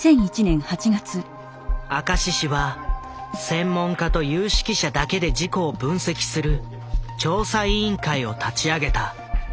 明石市は専門家と有識者だけで事故を分析する調査委員会を立ち上げた。